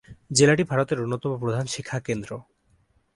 জেলাটি ভারতের অন্যতম প্রধান শিক্ষা কেন্দ্র।